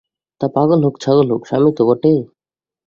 তা পাগল হোক, ছাগল হোক, স্বামী তো বটে।